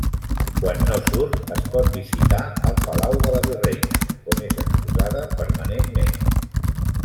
Quan no surt, es pot visitar al Palau de la Virreina, on és exposada permanentment.